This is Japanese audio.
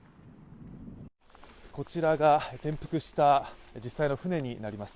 こちらが転覆した実際の舟になります。